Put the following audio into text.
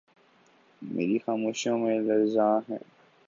میری خاموشیوں میں لرزاں ہے